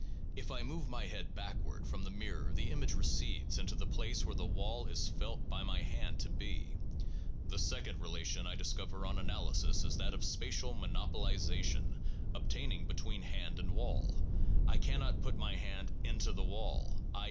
If I move my head backward from the mirror the image recedes into the place where the wall is felt by my hand to be. The second relation I discover on analysis is that of spatial monopolization obtaining between hand and wall. I cannot put my hand 'into the wall,' i.